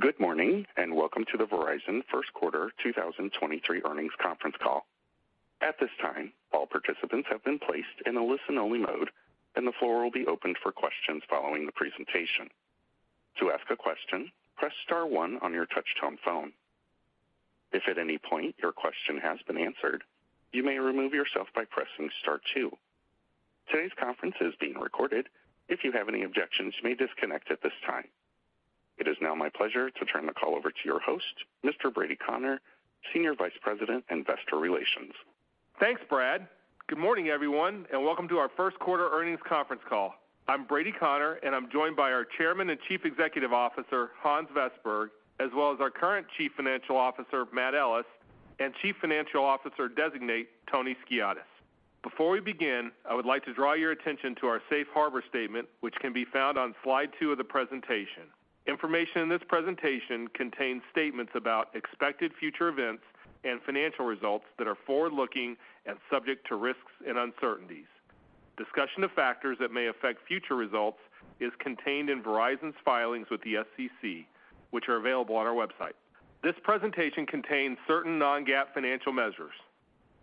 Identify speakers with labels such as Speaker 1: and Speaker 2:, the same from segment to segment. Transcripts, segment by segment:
Speaker 1: Good morning, and welcome to the Verizon First Quarter 2023 Earnings Conference Call. At this time, all participants have been placed in a listen-only mode, and the floor will be opened for questions following the presentation. To ask a question, press star 1 on your touchtone phone. If at any point your question has been answered, you may remove yourself by pressing star 2. Today's conference is being recorded. If you have any objections, you may disconnect at this time. It is now my pleasure to turn the call over to your host, Mr. Brady Connor, Senior Vice President, Investor Relations.
Speaker 2: Thanks, Brad. Good morning, everyone, welcome to our First Quarter Earnings Conference Call. I'm Brady Connor, and I'm joined by our Chairman and Chief Executive Officer, Hans Vestberg, as well as our current Chief Financial Officer, Matt Ellis, and Chief Financial Officer Designate, Tony Skiadas. Before we begin, I would like to draw your attention to our safe harbor statement, which can be found on slide 2 of the presentation. Information in this presentation contains statements about expected future events and financial results that are forward-looking and subject to risks and uncertainties. Discussion of factors that may affect future results is contained in Verizon's filings with the SEC, which are available on our website. This presentation contains certain non-GAAP financial measures.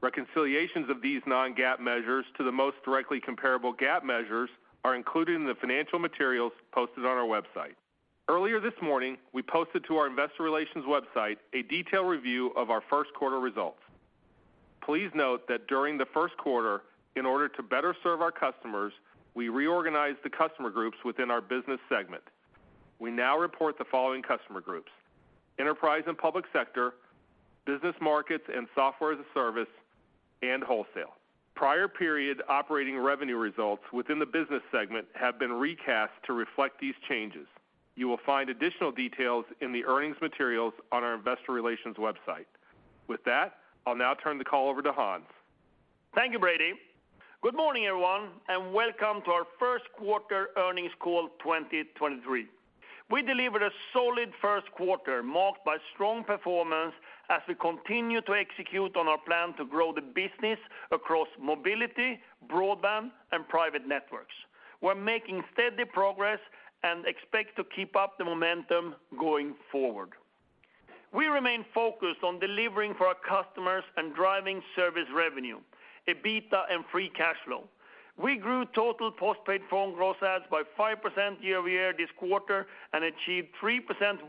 Speaker 2: Reconciliations of these non-GAAP measures to the most directly comparable GAAP measures are included in the financial materials posted on our website. Earlier this morning, we posted to our investor relations website a detailed review of our first quarter results. Please note that during the first quarter, in order to better serve our customers, we reorganized the customer groups within our business segment. We now report the following customer groups: enterprise and public sector, business markets and Software as a Service, and wholesale. Prior period operating revenue results within the business segment have been recast to reflect these changes. You will find additional details in the earnings materials on our investor relations website. With that, I'll now turn the call over to Hans.
Speaker 3: Thank you, Brady. Good morning, everyone, and welcome to our First Quarter Earnings Call 2023. We delivered a solid first quarter marked by strong performance as we continue to execute on our plan to grow the business across mobility, broadband, and private networks. We're making steady progress and expect to keep up the momentum going forward. We remain focused on delivering for our customers and driving service revenue, EBITDA and free cash flow. We grew total postpaid phone gross adds by 5% year-over-year this quarter and achieved 3%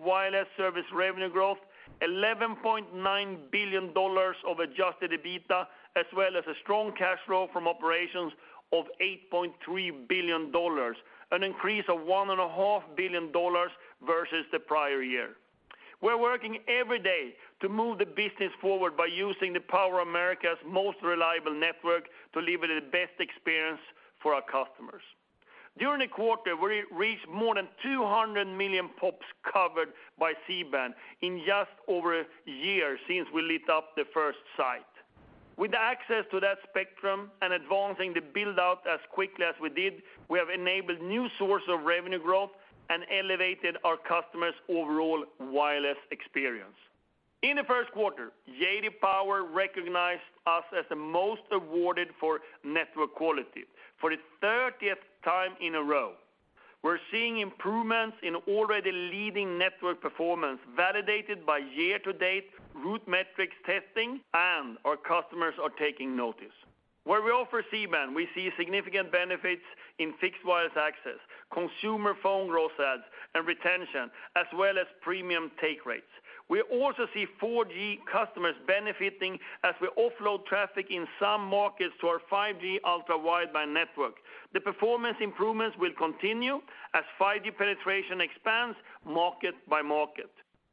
Speaker 3: wireless service revenue growth, $11.9 billion of adjusted EBITDA, as well as a strong cash flow from operations of $8.3 billion, an increase of one and a half billion dollars versus the prior year. We're working every day to move the business forward by using the power of America's most reliable network to deliver the best experience for our customers. During the quarter, we reached more than 200 million POPs covered by C-Band in just over a year since we lit up the first site. With access to that spectrum and advancing the build-out as quickly as we did, we have enabled new source of revenue growth and elevated our customers' overall wireless experience. In the first quarter, J.D. Power recognized us as the most awarded for network quality for the 30th time in a row. We're seeing improvements in already leading network performance validated by year-to-date RootMetrics testing, and our customers are taking notice. Where we offer C-Band, we see significant benefits in fixed wireless access, consumer phone gross adds, and retention, as well as premium take rates. We also see 4G customers benefiting as we offload traffic in some markets to our 5G Ultra Wideband network. The performance improvements will continue as 5G penetration expands market by market.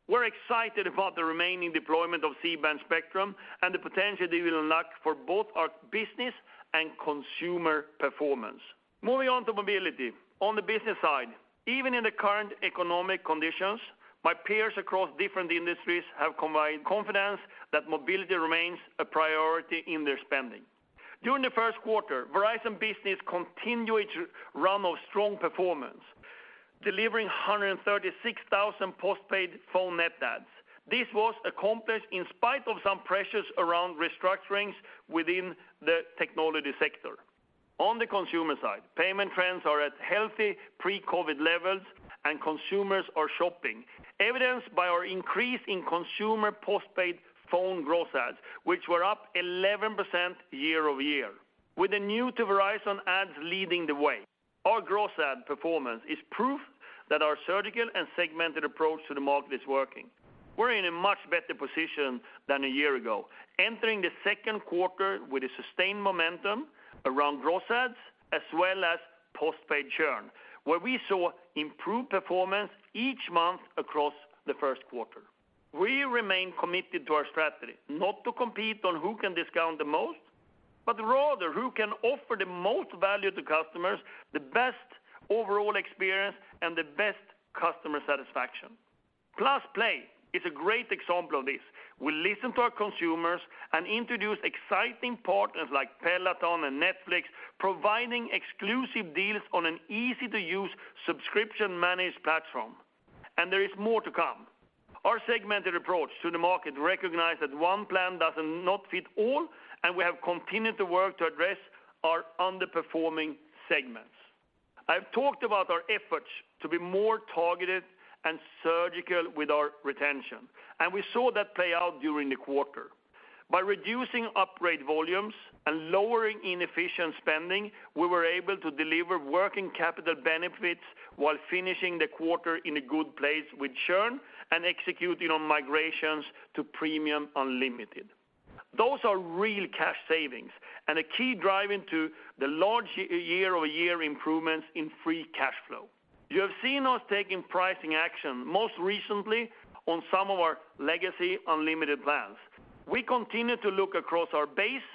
Speaker 3: We're excited about the remaining deployment of C-Band spectrum and the potential it will unlock for both our business and consumer performance. Moving on to mobility. On the business side, even in the current economic conditions, my peers across different industries have combined confidence that mobility remains a priority in their spending. During the first quarter, Verizon Business continued its run of strong performance, delivering 136,000 postpaid phone net adds. This was accomplished in spite of some pressures around restructurings within the technology sector. On the consumer side, payment trends are at healthy pre-COVID levels, and consumers are shopping, evidenced by our increase in consumer postpaid phone gross adds, which were up 11% year-over-year, with the new to Verizon adds leading the way. Our gross add performance is proof that our surgical and segmented approach to the market is working. We're in a much better position than a year ago, entering the second quarter with a sustained momentum around gross adds as well as postpaid churn, where we saw improved performance each month across the first quarter. We remain committed to our strategy, not to compete on who can discount the most, but rather who can offer the most value to customers, the best overall experience, and the best customer satisfaction. +play is a great example of this. We listen to our consumers and introduce exciting partners like Peloton and Netflix, providing exclusive deals on an easy-to-use subscription-managed platform. There is more to come. Our segmented approach to the market recognizes that one plan does not fit all. We have continued to work to address our underperforming segments. I've talked about our efforts to be more targeted and surgical with our retention. We saw that play out during the quarter. By reducing upgrade volumes and lowering inefficient spending, we were able to deliver working capital benefits while finishing the quarter in a good place with churn and executing on migrations to premium Unlimited. Those are real cash savings and a key driver to the large year-over-year improvements in free cash flow. You have seen us taking pricing action, most recently on some of our legacy Unlimited plans. We continue to look across our base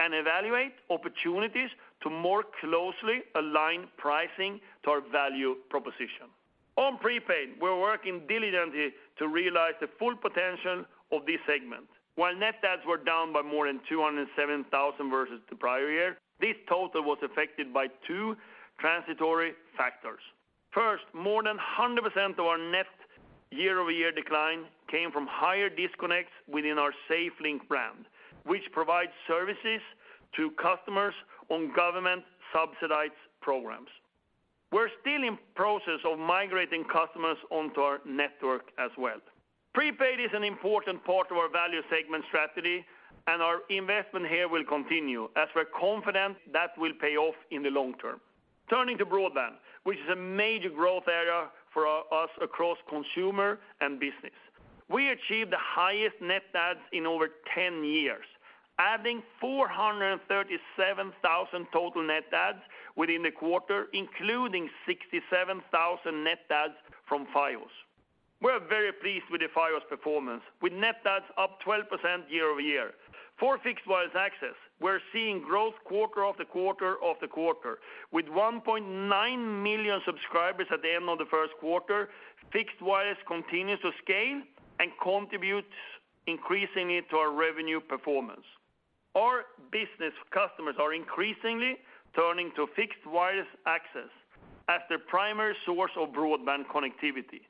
Speaker 3: and evaluate opportunities to more closely align pricing to our value proposition. We're working diligently to realize the full potential of this segment. While net adds were down by more than 207,000 versus the prior year, this total was affected by two transitory factors. First, more than 100% of our net year-over-year decline came from higher disconnects within our SafeLink brand, which provides services to customers on government subsidized programs. We're still in process of migrating customers onto our network as well. Prepaid is an important part of our value segment strategy. Our investment here will continue as we're confident that will pay off in the long term. Turning to broadband, which is a major growth area for us across consumer and business. We achieved the highest net adds in over 10 years, adding 437,000 total net adds within the quarter, including 67,000 net adds from Fios. We're very pleased with the Fios performance, with net adds up 12% year-over-year. For fixed wireless access, we're seeing growth quarter off the quarter. With 1.9 million subscribers at the end of the first quarter, fixed wireless continues to scale and contributes increasingly to our revenue performance. Our business customers are increasingly turning to fixed wireless access as their primary source of broadband connectivity,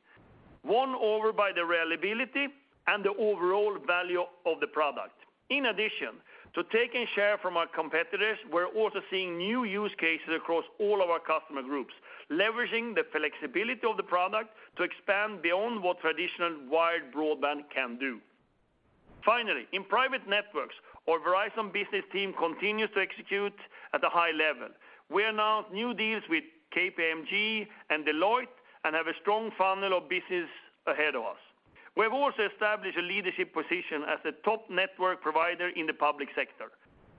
Speaker 3: won over by the reliability and the overall value of the product. In addition, to taking share from our competitors, we're also seeing new use cases across all of our customer groups, leveraging the flexibility of the product to expand beyond what traditional wired broadband can do. Finally, in private networks, our Verizon Business team continues to execute at a high level. We announced new deals with KPMG and Deloitte and have a strong funnel of business ahead of us. We have also established a leadership position as a top network provider in the public sector.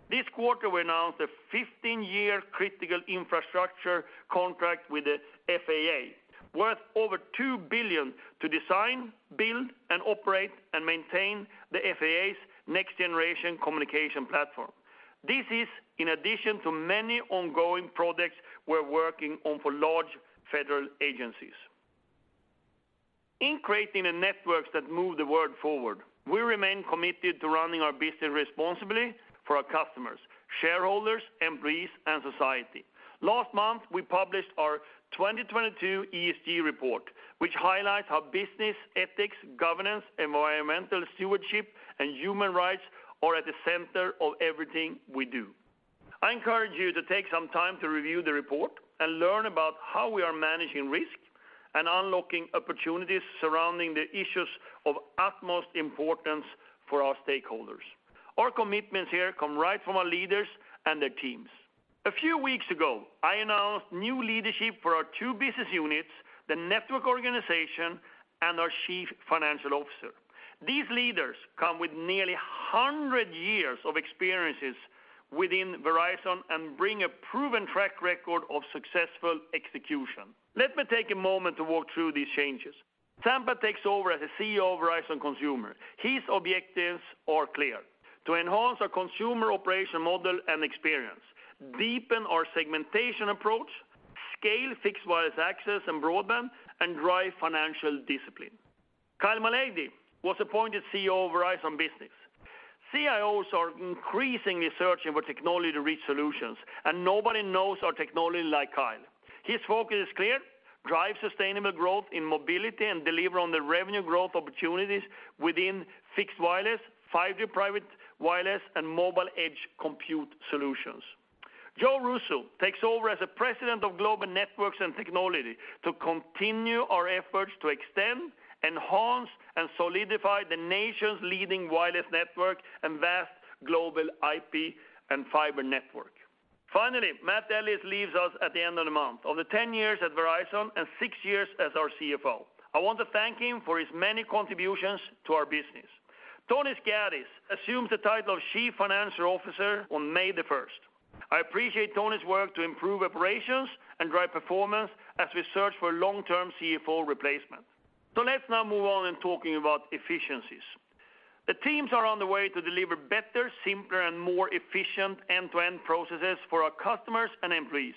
Speaker 3: This quarter, we announced a 15-year critical infrastructure contract with the FAA, worth over $2 billion to design, build, and operate and maintain the FAA's next-generation communication platform. This is in addition to many ongoing projects we're working on for large federal agencies. In creating the networks that move the world forward, we remain committed to running our business responsibly for our customers, shareholders, employees, and society. Last month, we published our 2022 ESG report, which highlights how business ethics, governance, environmental stewardship, and human rights are at the center of everything we do. I encourage you to take some time to review the report and learn about how we are managing risks and unlocking opportunities surrounding the issues of utmost importance for our stakeholders. Our commitments here come right from our leaders and their teams. A few weeks ago, I announced new leadership for our two business units, the network organization, and our Chief Financial Officer. These leaders come with nearly 100 years of experiences within Verizon and bring a proven track record of successful execution. Let me take a moment to walk through these changes. Tamer takes over as the CEO of Verizon Consumer. His objectives are clear: to enhance our consumer operation model and experience, deepen our segmentation approach, scale fixed wireless access and broadband, and drive financial discipline. Kyle Malady was appointed CEO of Verizon Business. CIOs are increasingly searching for technology to reach solutions, and nobody knows our technology like Kyle. His focus is clear: drive sustainable growth in mobility and deliver on the revenue growth opportunities within fixed wireless, 5G private wireless, and mobile edge compute solutions. Joe Russo takes over as the President of Global Networks and Technology to continue our efforts to extend, enhance, and solidify the nation's leading wireless network and vast global IP and fiber network. Finally, Matt Ellis leaves us at the end of the month. Over 10 years at Verizon and 6 years as our CFO, I want to thank him for his many contributions to our business. Tony Skiadas assumes the title of Chief Financial Officer on May 1st. I appreciate Tony's work to improve operations and drive performance as we search for a long-term CFO replacement. Let's now move on in talking about efficiencies. The teams are on the way to deliver better, simpler, and more efficient end-to-end processes for our customers and employees.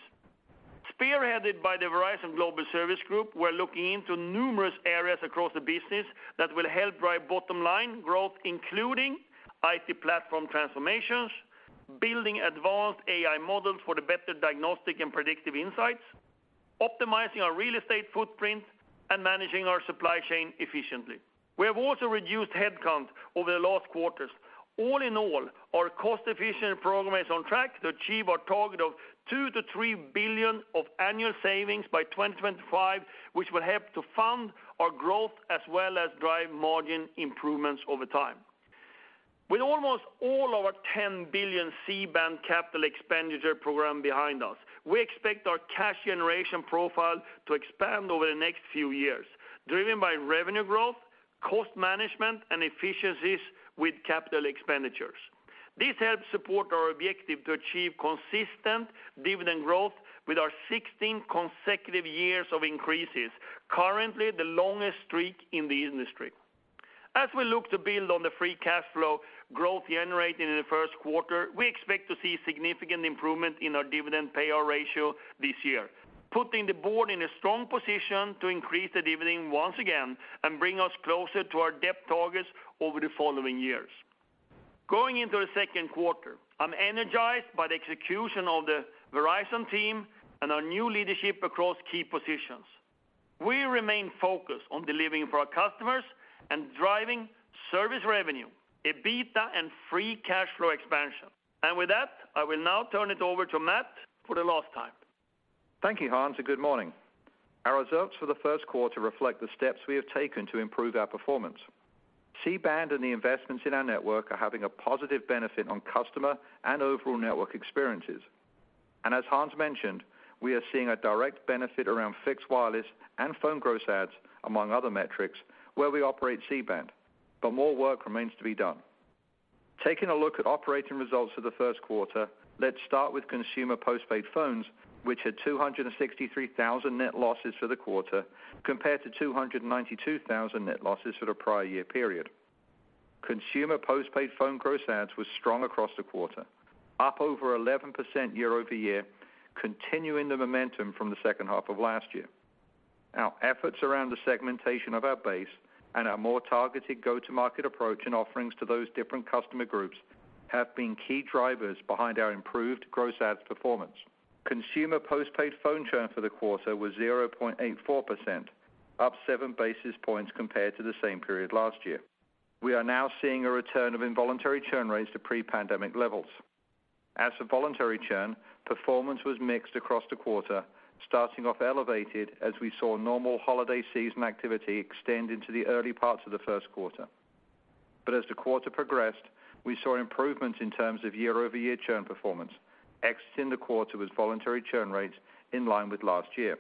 Speaker 3: Spearheaded by the Verizon Global Services, we're looking into numerous areas across the business that will help drive bottom line growth, including IT platform transformations, building advanced AI models for the better diagnostic and predictive insights. Optimizing our real estate footprint and managing our supply chain efficiently. We have also reduced headcount over the last quarters. All in all, our cost-efficient program is on track to achieve our target of $2 billion-$3 billion of annual savings by 2025, which will help to fund our growth as well as drive margin improvements over time. With almost all our $10 billion C-Band capital expenditure program behind us, we expect our cash generation profile to expand over the next few years, driven by revenue growth, cost management, and efficiencies with capital expenditures. This helps support our objective to achieve consistent dividend growth with our 16th consecutive years of increases, currently the longest streak in the industry. As we look to build on the free cash flow growth generated in the first quarter, we expect to see significant improvement in our dividend payout ratio this year, putting the board in a strong position to increase the dividend once again and bring us closer to our debt targets over the following years. Going into the second quarter, I'm energized by the execution of the Verizon team and our new leadership across key positions. We remain focused on delivering for our customers and driving service revenue, EBITDA, and free cash flow expansion. With that, I will now turn it over to Matt for the last time.
Speaker 4: Thank you, Hans. Good morning. Our results for the first quarter reflect the steps we have taken to improve our performance. C-band and the investments in our network are having a positive benefit on customer and overall network experiences. As Hans mentioned, we are seeing a direct benefit around fixed wireless and phone gross adds, among other metrics, where we operate C-band, but more work remains to be done. Taking a look at operating results for the first quarter, let's start with consumer postpaid phones, which had 263,000 net losses for the quarter, compared to 292,000 net losses for the prior year period. Consumer postpaid phone gross adds was strong across the quarter, up over 11% year-over-year, continuing the momentum from the second half of last year. Our efforts around the segmentation of our base and our more targeted go-to-market approach and offerings to those different customer groups have been key drivers behind our improved gross adds performance. Consumer postpaid phone churn for the quarter was 0.84%, up 7 basis points compared to the same period last year. We are now seeing a return of involuntary churn rates to pre-pandemic levels. For voluntary churn, performance was mixed across the quarter, starting off elevated as we saw normal holiday season activity extend into the early parts of the first quarter. As the quarter progressed, we saw improvements in terms of year-over-year churn performance, exiting the quarter with voluntary churn rates in line with last year.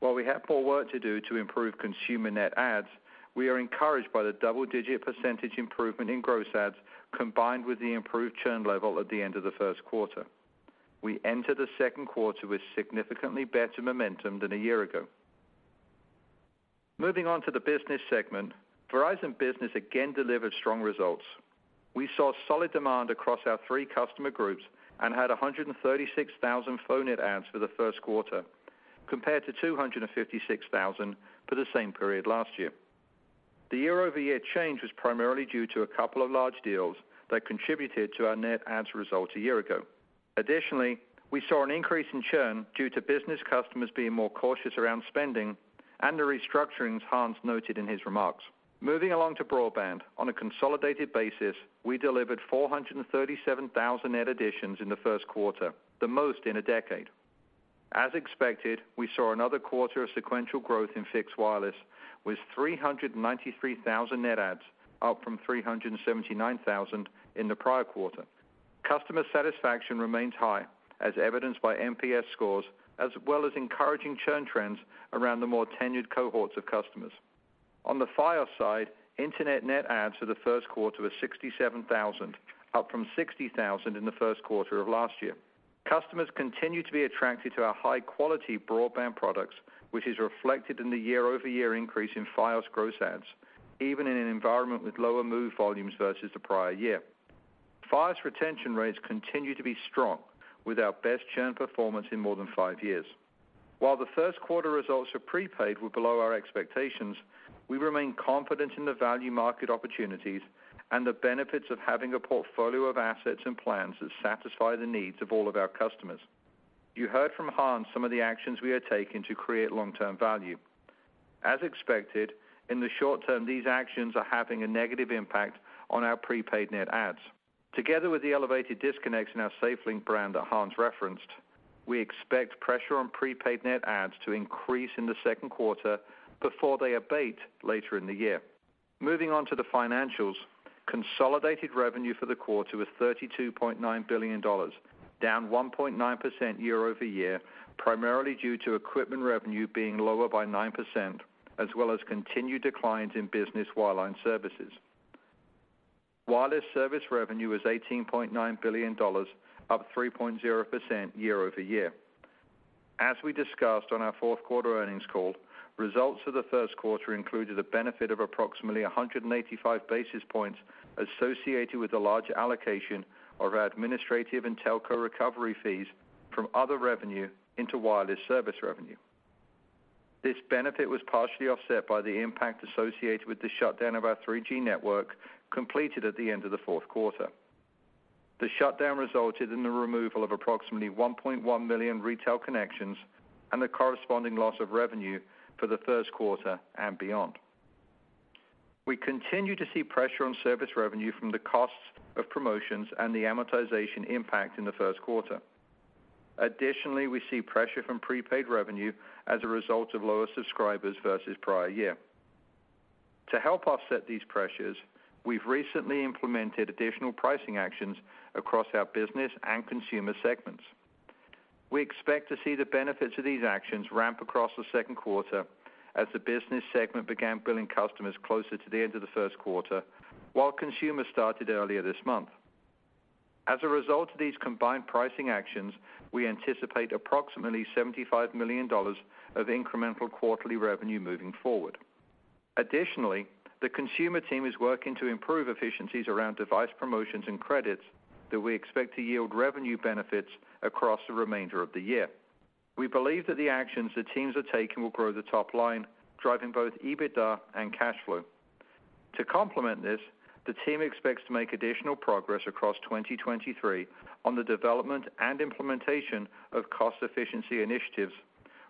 Speaker 4: While we have more work to do to improve consumer net adds, we are encouraged by the double-digit % improvement in gross adds combined with the improved churn level at the end of the first quarter. We enter the second quarter with significantly better momentum than a year ago. Moving on to the business segment, Verizon Business again delivered strong results. We saw solid demand across our 3 customer groups and had 136,000 phone net adds for the first quarter, compared to 256,000 for the same period last year. The year-over-year change was primarily due to a couple of large deals that contributed to our net adds results a year ago. We saw an increase in churn due to business customers being more cautious around spending and the restructurings Hans noted in his remarks. Moving along to broadband, on a consolidated basis, we delivered 437,000 net additions in the first quarter, the most in a decade. As expected, we saw another quarter of sequential growth in fixed wireless with 393,000 net adds, up from 379,000 in the prior quarter. Customer satisfaction remains high, as evidenced by NPS scores, as well as encouraging churn trends around the more tenured cohorts of customers. On the Fios side, Internet net adds for the first quarter was 67,000, up from 60,000 in the first quarter of last year. Customers continue to be attracted to our high-quality broadband products, which is reflected in the year-over-year increase in Fios gross adds, even in an environment with lower move volumes versus the prior year. Fios retention rates continue to be strong with our best churn performance in more than five years. While the first quarter results for prepaid were below our expectations, we remain confident in the value market opportunities and the benefits of having a portfolio of assets and plans that satisfy the needs of all of our customers. You heard from Hans some of the actions we are taking to create long-term value. As expected, in the short term, these actions are having a negative impact on our prepaid net adds. Together with the elevated disconnects in our SafeLink brand that Hans referenced, we expect pressure on prepaid net adds to increase in the second quarter before they abate later in the year. Moving on to the financials, consolidated revenue for the quarter was $32.9 billion, down 1.9% year-over-year, primarily due to equipment revenue being lower by 9%, as well as continued declines in business wireline services. Wireless service revenue is $18.9 billion, up 3.0% year-over-year. As we discussed on our fourth quarter earnings call, results for the first quarter included a benefit of approximately 185 basis points associated with the large allocation of our administrative and telco recovery fees from other revenue into wireless service revenue. This benefit was partially offset by the impact associated with the shutdown of our 3G network completed at the end of the fourth quarter. The shutdown resulted in the removal of approximately 1.1 million retail connections and the corresponding loss of revenue for the first quarter and beyond. We continue to see pressure on service revenue from the costs of promotions and the amortization impact in the first quarter. We see pressure from prepaid revenue as a result of lower subscribers versus prior year. To help offset these pressures, we've recently implemented additional pricing actions across our business and consumer segments. We expect to see the benefits of these actions ramp across the second quarter as the business segment began billing customers closer to the end of the first quarter, while consumers started earlier this month. We anticipate approximately $75 million of incremental quarterly revenue moving forward. Additionally, the consumer team is working to improve efficiencies around device promotions and credits that we expect to yield revenue benefits across the remainder of the year. We believe that the actions the teams are taking will grow the top line, driving both EBITDA and cash flow. To complement this, the team expects to make additional progress across 2023 on the development and implementation of cost efficiency initiatives,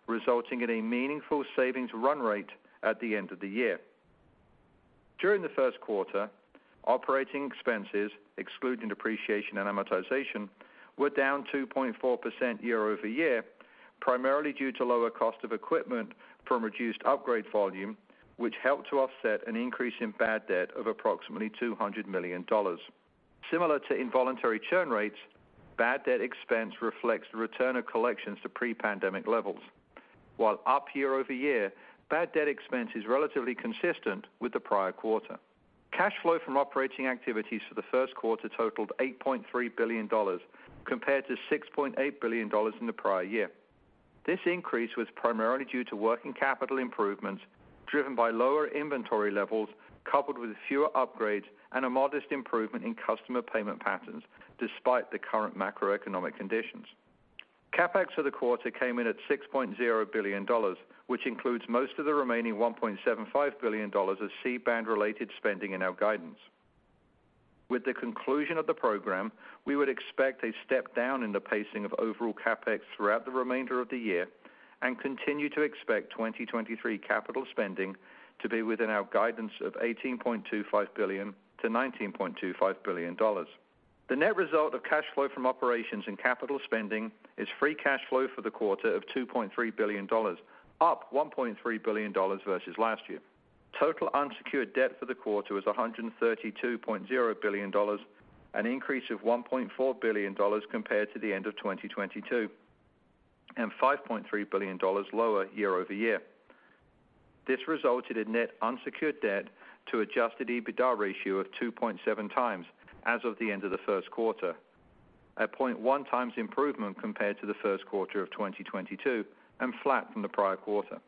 Speaker 4: resulting in a meaningful savings run rate at the end of the year. During the first quarter, operating expenses, excluding depreciation and amortization, were down 2.4% year-over-year, primarily due to lower cost of equipment from reduced upgrade volume, which helped to offset an increase in bad debt of approximately $200 million. Similar to involuntary churn rates, bad debt expense reflects the return of collections to pre-pandemic levels, while up year-over-year bad debt expense is relatively consistent with the prior quarter. Cash flow from operating activities for the first quarter totaled $8.3 billion, compared to $6.8 billion in the prior year. This increase was primarily due to working capital improvements driven by lower inventory levels, coupled with fewer upgrades and a modest improvement in customer payment patterns, despite the current macroeconomic conditions. CapEx for the quarter came in at $6.0 billion, which includes most of the remaining $1.75 billion of C-band related spending in our guidance. With the conclusion of the program, we would expect a step down in the pacing of overall CapEx throughout the remainder of the year and continue to expect 2023 capital spending to be within our guidance of $18.25 billion-$19.25 billion. The net result of cash flow from operations and capital spending is free cash flow for the quarter of $2.3 billion, up $1.3 billion versus last year. Total unsecured debt for the quarter was $132.0 billion, an increase of $1.4 billion compared to the end of 2022, and $5.3 billion lower year-over-year. This resulted in net unsecured debt to adjusted EBITDA ratio of 2.7 times as of the end of the 1st quarter, a 0.1 times improvement compared to the 1st quarter of 2022, and flat from the prior quarter.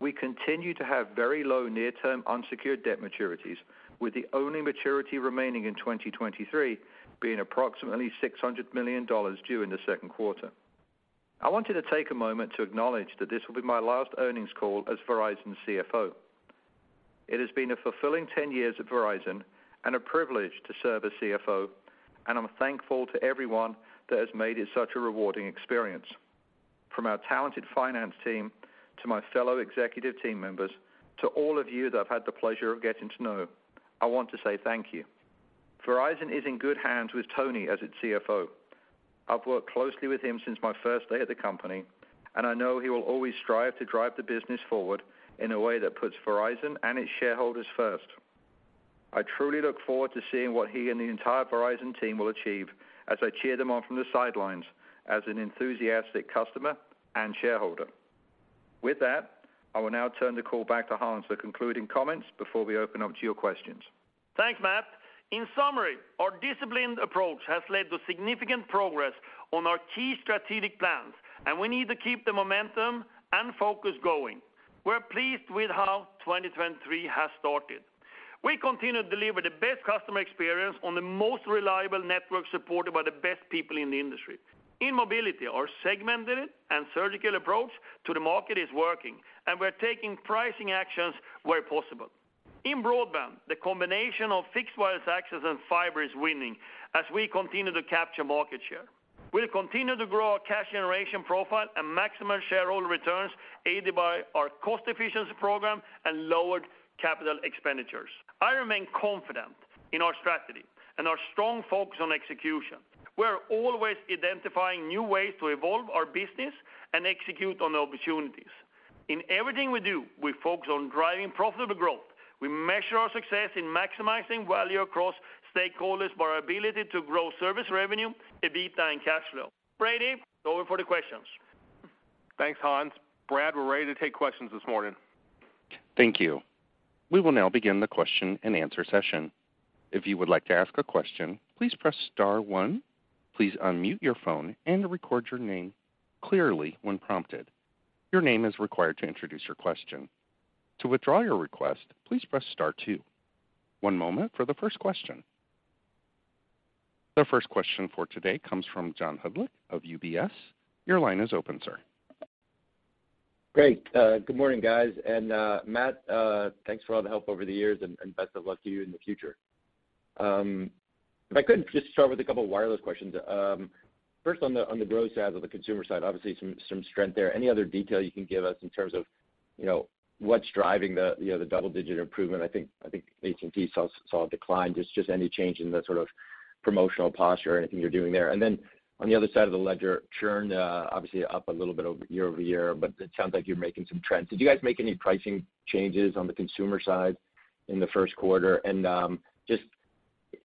Speaker 4: We continue to have very low near-term unsecured debt maturities, with the only maturity remaining in 2023 being approximately $600 million due in the 2nd quarter. I wanted to take a moment to acknowledge that this will be my last earnings call as Verizon CFO. It has been a fulfilling 10 years at Verizon and a privilege to serve as CFO, and I'm thankful to everyone that has made it such a rewarding experience. From our talented finance team to my fellow executive team members, to all of you that I've had the pleasure of getting to know, I want to say thank you. Verizon is in good hands with Tony as its CFO. I've worked closely with him since my first day at the company, I know he will always strive to drive the business forward in a way that puts Verizon and its shareholders first. I truly look forward to seeing what he and the entire Verizon team will achieve, as I cheer them on from the sidelines as an enthusiastic customer and shareholder. With that, I will now turn the call back to Hans for concluding comments before we open up to your questions.
Speaker 3: Thanks, Matt. In summary, our disciplined approach has led to significant progress on our key strategic plans. We need to keep the momentum and focus going. We're pleased with how 2023 has started. We continue to deliver the best customer experience on the most reliable network, supported by the best people in the industry. In mobility, our segmented and surgical approach to the market is working, and we're taking pricing actions where possible. In broadband, the combination of fixed wireless access and fiber is winning as we continue to capture market share. We'll continue to grow our cash generation profile and maximize shareholder returns, aided by our cost efficiency program and lowered capital expenditures. I remain confident in our strategy and our strong focus on execution. We are always identifying new ways to evolve our business and execute on opportunities. In everything we do, we focus on driving profitable growth. We measure our success in maximizing value across stakeholders by our ability to grow service revenue, EBITDA, and cash flow. Brady, it's over for the questions.
Speaker 4: Thanks, Hans. Brad, we're ready to take questions this morning.
Speaker 1: Thank you. We will now begin the question-and-answer session. If you would like to ask a question, please press star one. Please unmute your phone and record your name clearly when prompted. Your name is required to introduce your question. To withdraw your request, please press star two. One moment for the first question. The first question for today comes from John Hodulik of UBS. Your line is open, sir.
Speaker 2: Great. Good morning, guys. Matt, thanks for all the help over the years, and best of luck to you in the future. If I could just start with a couple of wireless questions. First on the growth side, on the consumer side, obviously some strength there. Any other detail you can give us in terms of, you know, what's driving the, you know, the double-digit improvement? I think AT&T saw a decline. Just any change in the sort of promotional posture, anything you're doing there. On the other side of the ledger, churn, obviously up a little bit over year-over-year, but it sounds like you're making some trends. Did you guys make any pricing changes on the consumer side in the first quarter? Just,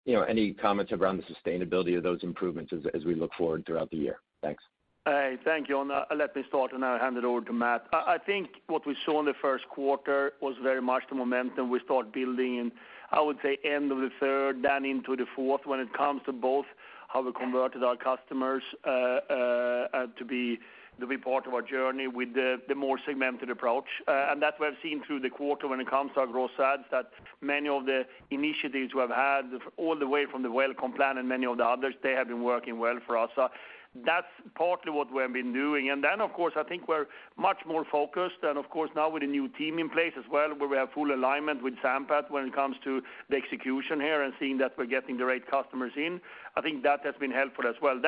Speaker 2: you know, any comments around the sustainability of those improvements as we look forward throughout the year? Thanks.
Speaker 3: All right. Thank you. Let me start and I'll hand it over to Matt. I think what we saw in the first quarter was very much the momentum we start building in, I would say, end of the third, then into the fourth when it comes to both how we converted our customers to be part of our journey with the more segmented approach. That we're seeing through the quarter when it comes to our growth sides, that many of the initiatives we have had all the way from the welcome plan and many of the others, they have been working well for us. That's partly what we have been doing. Of course, I think we're much more focused and of course now with a new team in place as well, where we have full alignment with Sampath when it comes to the execution here and seeing that we're getting the right customers in. I think that has been helpful as well.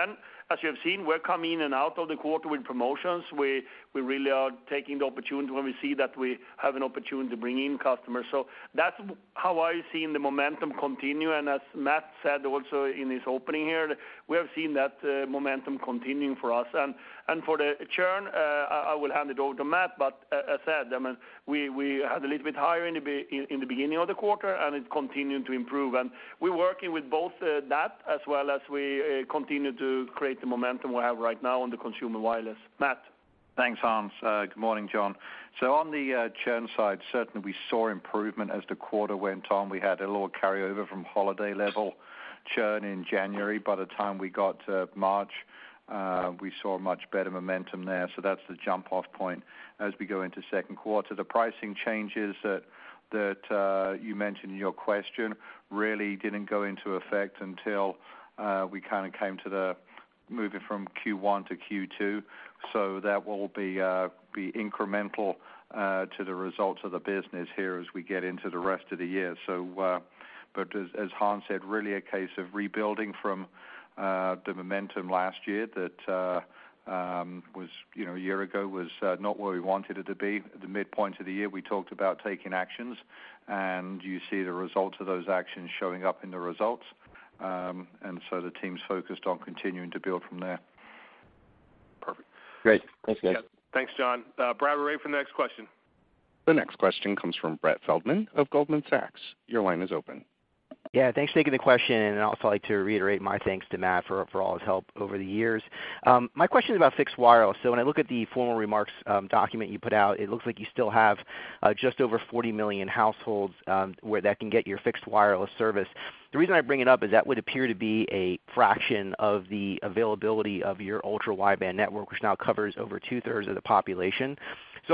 Speaker 3: As you have seen, we're coming in and out of the quarter with promotions. We really are taking the opportunity when we see that we have an opportunity to bring in customers. That's how I see the momentum continue. As Matt said also in his opening here, we have seen that momentum continuing for us. For the churn, I will hand it over to Matt. As said, I mean, we had a little bit higher in the beginning of the quarter, and it continued to improve. We're working with both that as well as we continue to create the momentum we have right now on the consumer wireless. Matt?
Speaker 4: Thanks, Hans. Good morning, John. On the churn side, certainly we saw improvement as the quarter went on. We had a little carryover from holiday level churn in January. By the time we got to March, we saw much better momentum there. That's the jump-off point as we go into second quarter. The pricing changes that you mentioned in your question really didn't go into effect until we kind of came to the moving from Q1 to Q2. That will be incremental to the results of the business here as we get into the rest of the year. As Hans said, really a case of rebuilding from the momentum last year that, you know, a year ago was not where we wanted it to be. The midpoint of the year, we talked about taking actions, and you see the results of those actions showing up in the results. The team's focused on continuing to build from there.
Speaker 2: Perfect. Great. Thanks, guys.
Speaker 4: Yeah. Thanks, John. Brad, we're ready for the next question.
Speaker 1: The next question comes from Brett Feldman of Goldman Sachs. Your line is open.
Speaker 5: Thanks for taking the question, and also I'd like to reiterate my thanks to Matt for all his help over the years. My question is about fixed wireless. When I look at the formal remarks document you put out, it looks like you still have just over 40 million households where they can get your fixed wireless service. The reason I bring it up is that would appear to be a fraction of the availability of your Ultra Wideband network, which now covers over two-thirds of the population.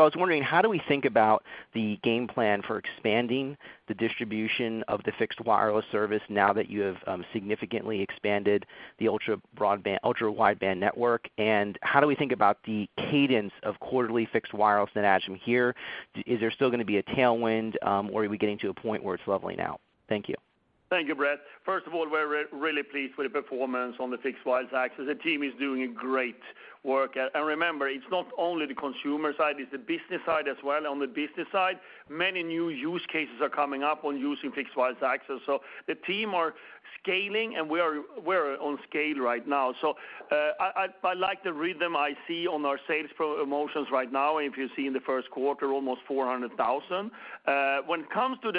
Speaker 5: I was wondering, how do we think about the game plan for expanding the distribution of the fixed wireless service now that you have significantly expanded the ultra broadband, Ultra Wideband network? How do we think about the cadence of quarterly fixed wireless net addition here? Is there still gonna be a tailwind, or are we getting to a point where it's leveling out? Thank you.
Speaker 3: Thank you, Brett. First of all, we're really pleased with the performance on the fixed wireless access. The team is doing great work. Remember, it's not only the consumer side, it's the business side as well. On the business side, many new use cases are coming up on using fixed wireless access. The team are scaling, and we're on scale right now. I like the rhythm I see on our sales promotions right now. If you see in the first quarter, almost 400,000. When it comes to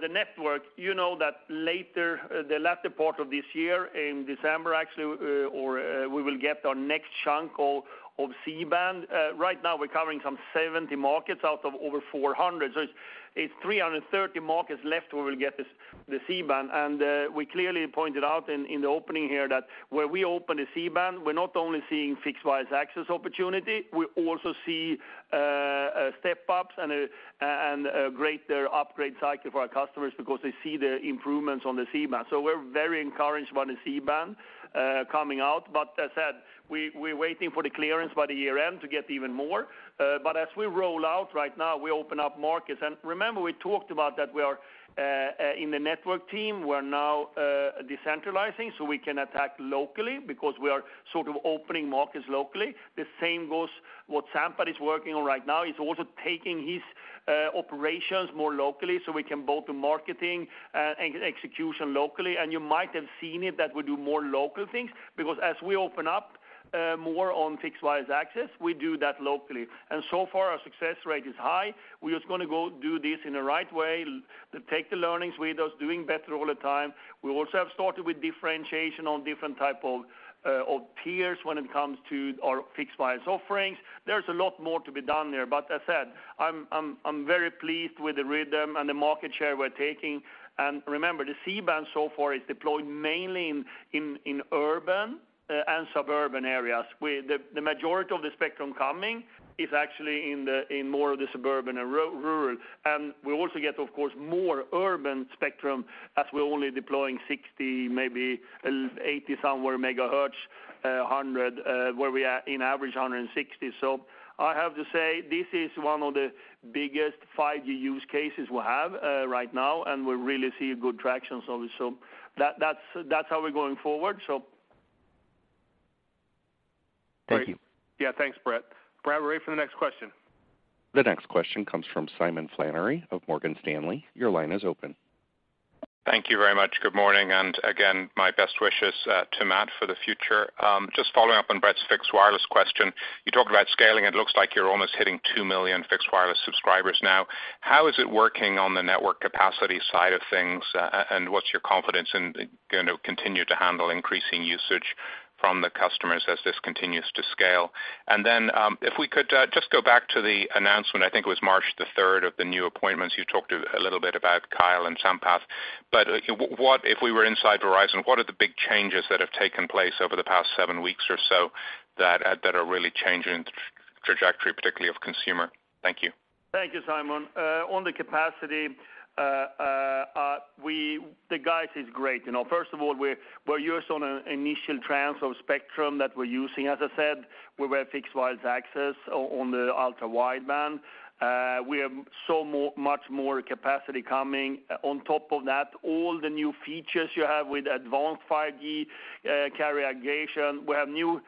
Speaker 3: the network, you know that later, the latter part of this year, in December actually, or we will get our next chunk of C-band. Right now we're covering some 70 markets out of over 400. It's 330 markets left where we'll get this, the C-Band. We clearly pointed out in the opening here that where we open the C-Band, we're not only seeing fixed wireless access opportunity, we also see step-ups and a greater upgrade cycle for our customers because they see the improvements on the C-Band. We're very encouraged by the C-Band coming out. As said, we're waiting for the clearance by the year-end to get even more. As we roll out right now, we open up markets. Remember, we talked about that we are in the network team, we're now decentralizing so we can attack locally because we are sort of opening markets locally. The same goes what Sampath is working on right now. He's also taking his operations more locally so we can both do marketing and execution locally. You might have seen it that we do more local things, because as we open up more on fixed wireless access, we do that locally. So far our success rate is high. We're just gonna go do this in the right way, to take the learnings with us, doing better all the time. We also have started with differentiation on different type of tiers when it comes to our fixed wire offerings. There's a lot more to be done there, but as I said, I'm very pleased with the rhythm and the market share we're taking. Remember, the C-band so far is deployed mainly in urban and suburban areas. With the majority of the spectrum coming is actually in the, in more of the suburban and rural. We also get, of course, more urban spectrum as we're only deploying 60, maybe 80 somewhere megahertz, 100, where we are in average 160. I have to say this is one of the biggest 5G use cases we have right now, and we really see a good traction. That's how we're going forward. So.
Speaker 6: Thank you.
Speaker 4: Yeah, thanks, Brett. Operator, for the next question.
Speaker 1: The next question comes from Simon Flannery of Morgan Stanley. Your line is open.
Speaker 6: Thank you very much. Good morning, again, my best wishes to Matt for the future. Just following up on Brett's fixed wireless question. You talked about scaling. It looks like you're almost hitting 2 million fixed wireless subscribers now. How is it working on the network capacity side of things, and what's your confidence in gonna continue to handle increasing usage from the customers as this continues to scale? If we could just go back to the announcement, I think it was March 3rd, of the new appointments. You talked a little bit about Kyle and Sampath. If we were inside Verizon, what are the big changes that have taken place over the past 7 weeks or so that are really changing the trajectory, particularly of consumer? Thank you.
Speaker 3: Thank you, Simon. On the capacity, the guys is great. You know, first of all, we're just on a initial transfer of spectrum that we're using, as I said, with our fixed wireless access on the Ultra Wideband. We have much more capacity coming on top of that. All the new features you have with advanced 5G, carrier aggregation. We have new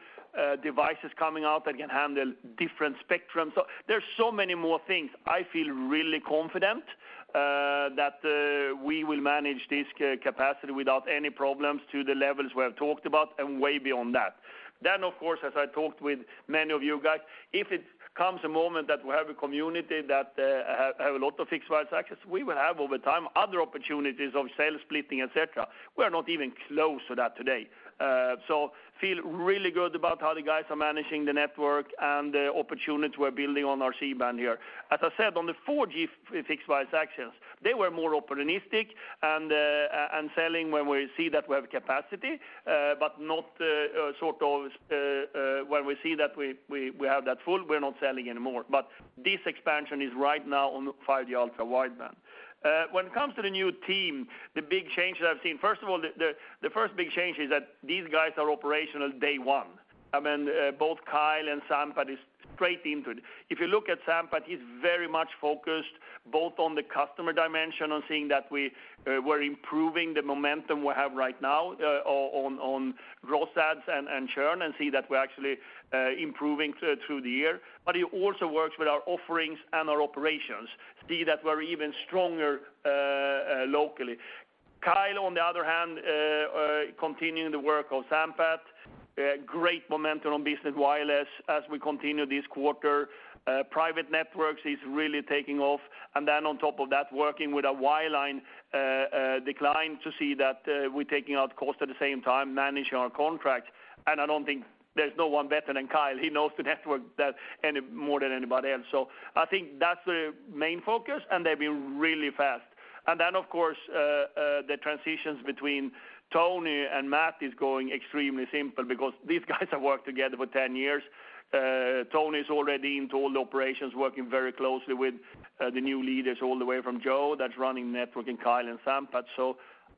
Speaker 3: devices coming out that can handle different spectrum. There's so many more things. I feel really confident that we will manage this capacity without any problems to the levels we have talked about and way beyond that. Of course, as I talked with many of you guys, if it comes a moment that we have a community that have a lot of fixed wireless access, we will have, over time, other opportunities of cell splitting, et cetera. We're not even close to that today. Feel really good about how the guys are managing the network and the opportunity we're building on our C-band here. As I said, on the 4G fixed wireless actions, they were more opportunistic and selling when we see that we have capacity, but not sort of when we see that we have that full, we're not selling anymore. This expansion is right now on 5G Ultra Wideband. When it comes to the new team, the big changes I've seen. First of all, the first big change is that these guys are operational day one. I mean, both Kyle and Sampath is straight into it. If you look at Sampath, he's very much focused both on the customer dimension, on seeing that we're improving the momentum we have right now, on gross adds and churn, and see that we're actually improving through the year. He also works with our offerings and our operations, see that we're even stronger locally. Kyle, on the other hand, continuing the work of Sampath. Great momentum on business wireless as we continue this quarter. Private networks is really taking off. On top of that, working with a wireline decline to see that we're taking out cost at the same time, managing our contracts. I don't think there's no one better than Kyle. He knows the network more than anybody else. I think that's the main focus, and they've been really fast. Of course, the transitions between Tony and Matt is going extremely simple because these guys have worked together for 10 years. Tony is already into all the operations, working very closely with the new leaders all the way from Joe, that's running network, and Kyle and Sampath.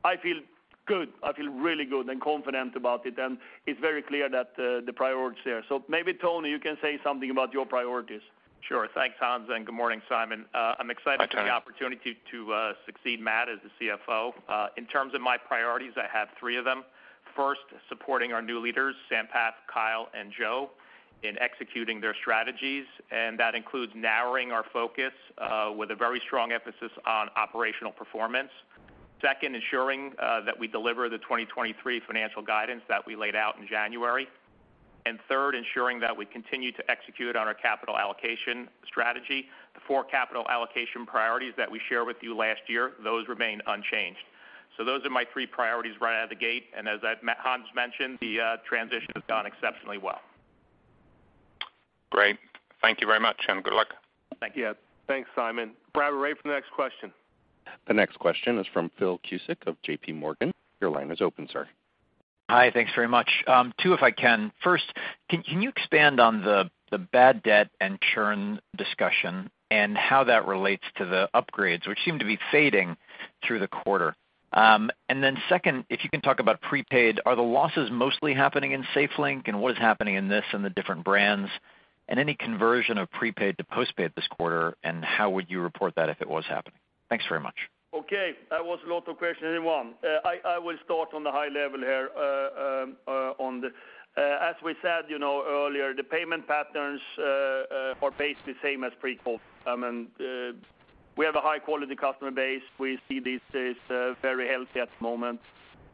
Speaker 3: I feel good. I feel really good and confident about it, and it's very clear that the priorities there. Maybe, Tony, you can say something about your priorities.
Speaker 7: Sure. Thanks, Hans, and good morning, Simon.
Speaker 6: Hi, Tony.
Speaker 7: I'm excited for the opportunity to succeed Matt as the CFO. In terms of my priorities, I have three of them. First, supporting our new leaders, Sampath, Kyle, and Joe, in executing their strategies, and that includes narrowing our focus with a very strong emphasis on operational performance. Second, ensuring that we deliver the 2023 financial guidance that we laid out in January. Third, ensuring that we continue to execute on our capital allocation strategy. The four capital allocation priorities that we shared with you last year, those remain unchanged. Those are my three priorities right out of the gate, and as Hans mentioned, the transition has gone exceptionally well.
Speaker 6: Great. Thank you very much, and good luck.
Speaker 7: Thank you.
Speaker 4: Yeah. Thanks, Simon. Operator, for the next question.
Speaker 1: The next question is from Philip Cusick of JPMorgan. Your line is open, sir.
Speaker 8: Hi. Thanks very much. Two, if I can. First, can you expand on the bad debt and churn discussion and how that relates to the upgrades, which seem to be fading through the quarter? Second, if you can talk about prepaid. Are the losses mostly happening in SafeLink, and what is happening in this and the different brands? Any conversion of prepaid to postpaid this quarter, and how would you report that if it was happening? Thanks very much.
Speaker 3: Okay. That was a lot of questions in one. I will start on the high level here. On the as we said, you know, earlier, the payment patterns are basically same as pre-COVID. We have a high quality customer base. We see this is very healthy at the moment.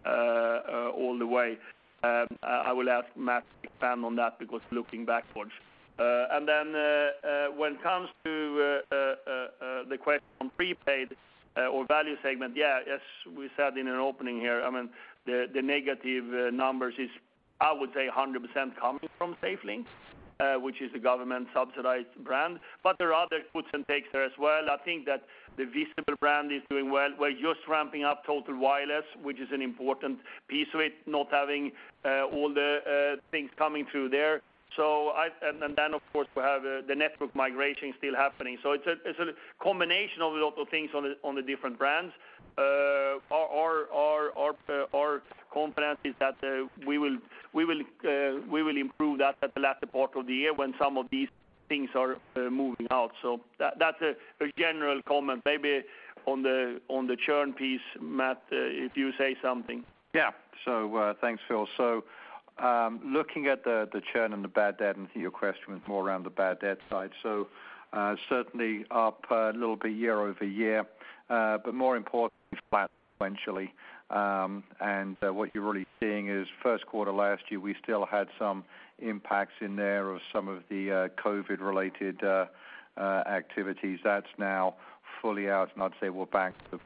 Speaker 3: All the way. I will ask Matt to expand on that because looking backwards. When it comes to the question on prepaid or value segment, yeah, as we said in an opening here, I mean, the negative numbers is, I would say 100% coming from SafeLink, which is a government subsidized brand, but there are other puts and takes there as well. I think that the Visible brand is doing well. We're just ramping up Total Wireless, which is an important piece with not having all the things coming through there. Of course, we have the network migration still happening. It's a combination of a lot of things on the different brands. Our confidence is that we will improve that at the latter part of the year when some of these things are moving out. That's a general comment. Maybe on the churn piece, Matt, if you say something.
Speaker 4: Yeah. Thanks, Phil. Looking at the churn and the bad debt, and your question was more around the bad debt side. Certainly up a little bit year-over-year, but more importantly, flat sequentially. What you're really seeing is first quarter last year, we still had some impacts in there of some of the COVID related activities. That's now fully out, and I'd say we're back to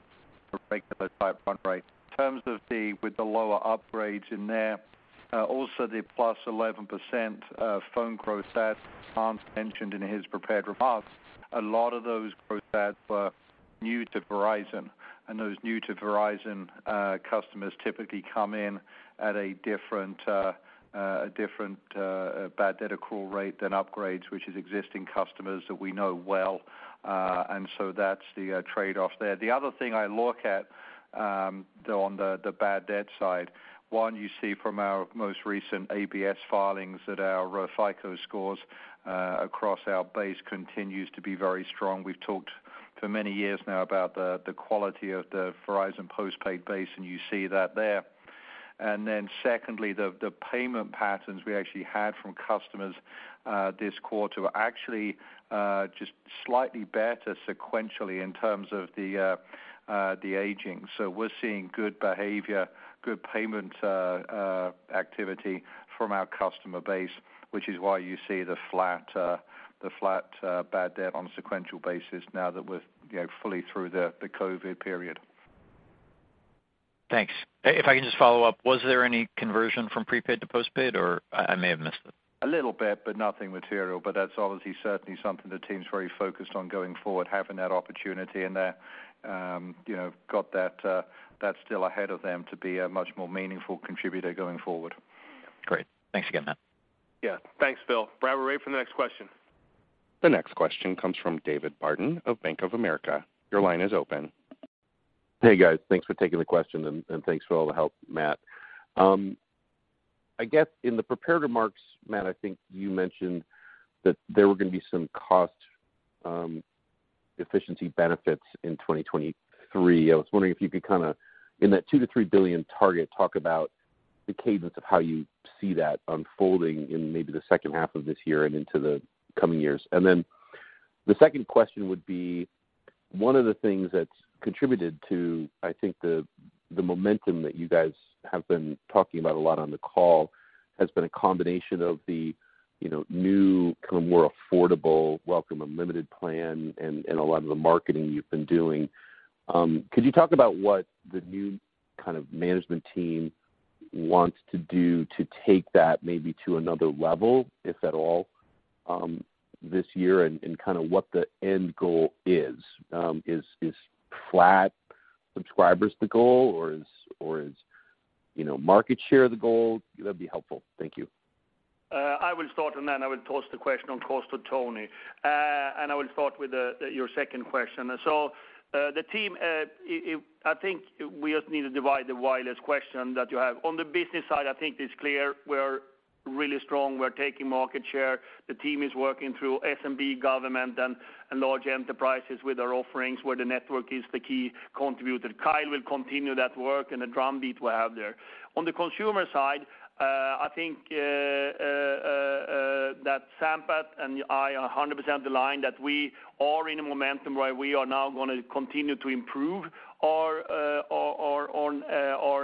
Speaker 4: regular type run rate. In terms of the, with the lower upgrades in there, also the plus 11% phone growth that Hans mentioned in his prepared remarks, a lot of those growth adds were new to Verizon, and those new to Verizon customers typically come in at a different bad debt accrual rate than upgrades, which is existing customers that we know well. That's the trade-off there. The other thing I look at, on the bad debt side, one, you see from our most recent ABS filings that our FICO scores, across our base continues to be very strong. We've talked for many years now about the quality of the Verizon postpaid base, and you see that there. Secondly, the payment patterns we actually had from customers this quarter were actually just slightly better sequentially in terms of the aging. We're seeing good behavior, good payment activity from our customer base, which is why you see the flat bad debt on a sequential basis now that we're, you know, fully through the COVID period.
Speaker 8: Thanks. If I can just follow up, was there any conversion from prepaid to postpaid, or I may have missed it?
Speaker 4: A little bit, but nothing material. That's obviously certainly something the team's very focused on going forward, having that opportunity, and they're, you know, got that still ahead of them to be a much more meaningful contributor going forward.
Speaker 8: Great. Thanks again, Matt.
Speaker 3: Yeah. Thanks, Phil. Operator, for the next question.
Speaker 1: The next question comes from David Barden of Bank of America. Your line is open.
Speaker 9: Hey, guys. Thanks for taking the question, and thanks for all the help, Matt. I guess in the prepared remarks, Matt, I think you mentioned that there were gonna be some cost efficiency benefits in 2023. I was wondering if you could kinda, in that $2 billion-$3 billion target, talk about the cadence of how you see that unfolding in maybe the second half of this year and into the coming years. The second question would be, one of the things that's contributed to, I think, the momentum that you guys have been talking about a lot on the call has been a combination of the, you know, new, kind of more affordable Welcome Unlimited plan and a lot of the marketing you've been doing. Could you talk about what the new kind of management team wants to do to take that maybe to another level, if at all, this year and kinda what the end goal is? Is flat subscribers the goal or is, you know, market share the goal? That'd be helpful. Thank you.
Speaker 3: I will start on that, and I will toss the question on cost to Tony. I will start with your second question. The team, I think we just need to divide the wireless question that you have. On the business side, I think it's clear we're really strong. We're taking market share. The team is working through SMB government and large enterprises with our offerings where the network is the key contributor. Kyle will continue that work and the drumbeat we have there. On the consumer side, I think that Sampath and I are 100% aligned that we are in a momentum where we are now gonna continue to improve our